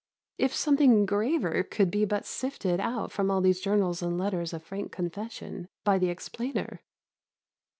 If something graver could but be sifted out from all these journals and letters of frank confession, by the explainer!